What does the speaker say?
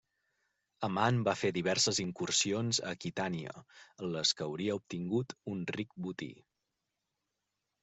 Amand va fer diverses incursions a Aquitània en les que hauria obtingut un ric botí.